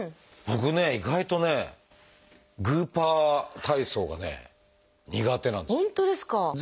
僕ね意外とねグーパー体操がね苦手なんですよ。